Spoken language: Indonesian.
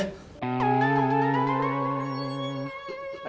terus mereka jadi sedih sedian deh